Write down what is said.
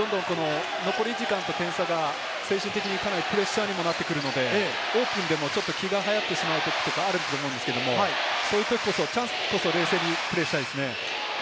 残り時間と点差が精神的にかなりプレッシャーになってくるので、オープンでもちょっと気が早まってしまうこともあると思うんですけれども、チャンスこそ冷静にプレーしたいですね。